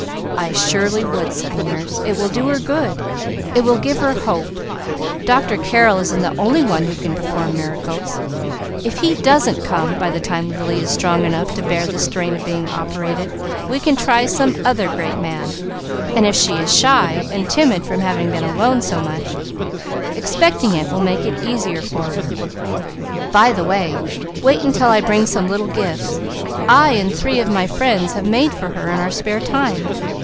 "I surely would," said the nurse. "It will do her good. It will give her hope. Dr. Carrel isn't the only one who can perform miracles; if he doesn't come by the time Lily is strong enough to bear the strain of being operated, we can try some other great man; and if she is shy, and timid from having been alone so much, expecting it will make it easier for her. By the way, wait until I bring some little gifts, I and three of my friends have made for her in our spare time.